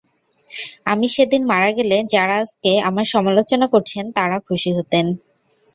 আমি সেদিন মারা গেলে, যাঁরা আজকে আমার সমালোচনা করছেন, তাঁরা খুশি হতেন।